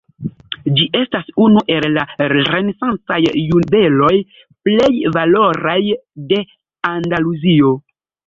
Ĝi estas unu el la renesancaj juveloj plej valoraj de Andaluzio.